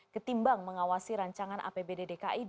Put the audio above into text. ketimbang mengawasi rancangan apbd dki dua ribu dua puluh